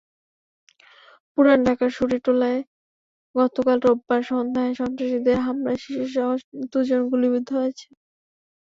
পুরান ঢাকার সুরিটোলায় গতকাল রোববার সন্ধ্যায় সন্ত্রাসীদের হামলায় শিশুসহ দুজন গুলিবিদ্ধ হয়েছে।